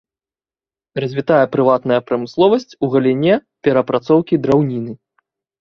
Развітая прыватная прамысловасць у галіне перапрацоўкі драўніны.